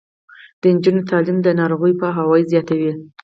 د نجونو تعلیم د ناروغیو پوهاوي زیاتوي.